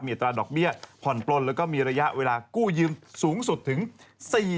อัตราดอกเบี้ยผ่อนปลนแล้วก็มีระยะเวลากู้ยืมสูงสุดถึง